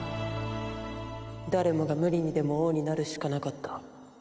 誰もが無理にでも王になるしかなかった。